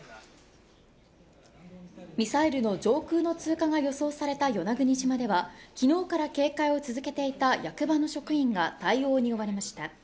ミサイルの上空の通過が予想された与那国島では昨日から警戒を続けていた役場の職員が対応に追われました。